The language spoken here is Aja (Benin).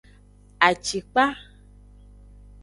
Acikpa.